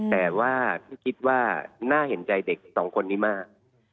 แต่ว่าพี่คิดว่าน่าเห็นใจเด็กสองคนนี้มาก